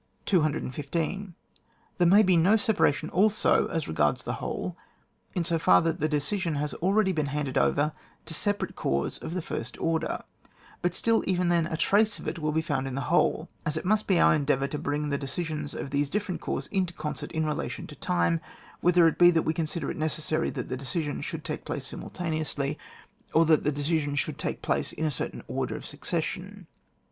215. There may be no separation also as regards the whole in so far that the decision has been already handed over to separate corps of the first order ; but still even then a trace of it will be found in the whole, as it must be our endeavour to bring the decisions of these different corps into concert in relation to time, whether it be that we consider it neces sary that the decisions should take place simultaneously, or that the decisions should take place in a certain order of succession.